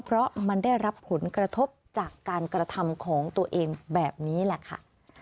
เพราะมันได้รับผลกระทบจากการกระทำของตัวเองแบบนี้แหละค่ะ